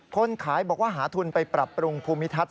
คนขายบอกว่าหาทุนไปปรับปรุงภูมิทัศน